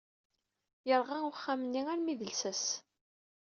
Yerɣa uxxam-nni armi d llsas.